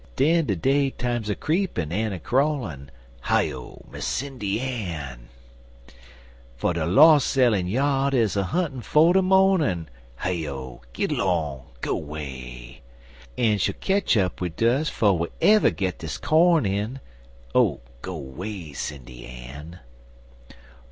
Den de day time's a creepin' en a crawlin' (Hi O, Miss Sindy Ann!) For de los' ell en yard *2 is a huntin' for de mornin', (Hi O! git long! go 'way!) En she'll ketch up wid dus 'fo' we ever git dis corn in (Oh, go 'way, Sindy Ann!)